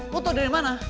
lo tau dari mana